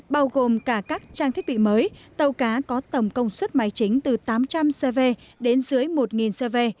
bao gồm cả các trang thiết bị mới tàu cá có tầm công suất máy chính từ tám trăm linh cv đến dưới một cv